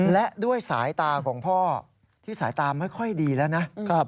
และด้วยสายตาของพ่อที่สายตาไม่ค่อยดีแล้วนะ